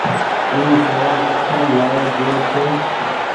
اي ڦون ڪٺو لآيو گيو ڇي۔